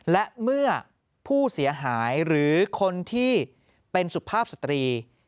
และเมื่อผู้เสียหายหรือคนที่เป็นสุภาพสตรี